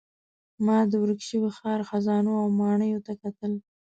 ما د ورک شوي ښار خزانو او ماڼیو ته کتل.